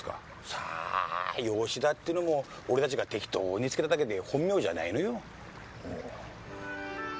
さぁ吉田ってのも俺たちが適当につけただけで本名じゃないのよ。